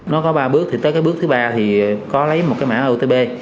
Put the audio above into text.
nó có ba bước tới cái bước thứ ba thì có lấy một cái mã otp